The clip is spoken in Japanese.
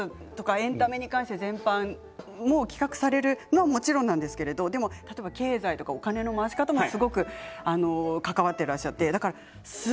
エンタメ全般を企画されるのはもちろんなんですけど経済、お金の回し方もすごく関わっていらっしゃいます。